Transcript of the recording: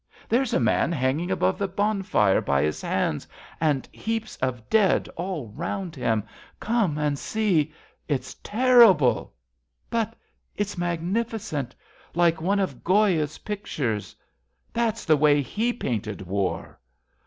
There's a man Hanging above the bonfire by his hands. And heaps of dead all round him. Come and see ! It's terrible, but it's magnificent, Like one of Goya's pictures. That's the way He painted war.